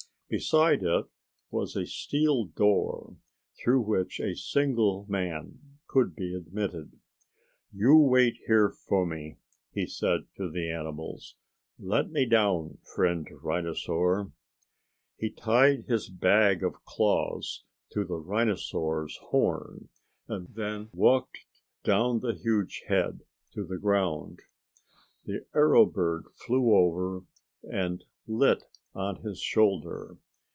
Beside it was a steel door through which a single man could be admitted. "You wait here for me," he said to the animals. "Let me down, friend rhinosaur." He tied his bag of claws to the rhinosaur's horn and then walked down the huge head to the ground. The arrow bird flew over and lit on his shoulder.